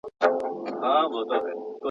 زه بايد شګه پاک کړم.